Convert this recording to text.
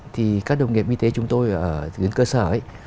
thì các đồng nghiệp y tế chúng tôi ở cơ sở